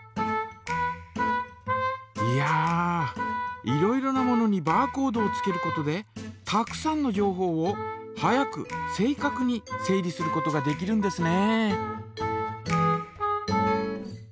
いやいろいろなものにバーコードをつけることでたくさんの情報を早く正かくに整理することができるんですね。